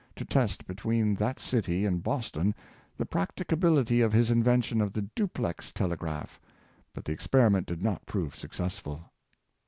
to test between that city and Boston the practicability of his invention of the duplex telegraph, but the experiment did not prove successful.